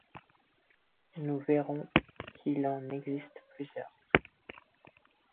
Nous verrons qu'il en existe plusieurs.